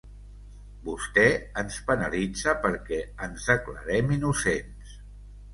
Vostè ens penalitza perquè ens declarem innocents.